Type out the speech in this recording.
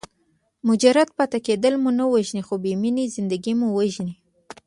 مجرد پاتې کېدل مو نه وژني خو بې مینې زندګي مو وژني.